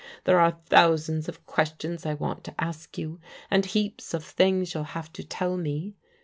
There are thousands of questions I want to ask you, and heaps of things you'll have to tell me.